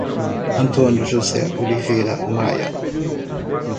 Antônio José Oliveira Maia